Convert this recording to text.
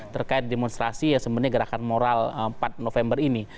terkait demonstrasi ya sebenarnya gerakan moral empat november ini